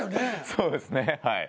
そうですねはい。